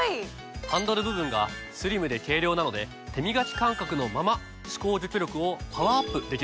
ハンドル部分がスリムで軽量なので手みがき感覚のまま歯垢除去力をパワーアップできるんです。